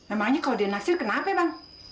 emangnya kalau dia naksir kenapa bang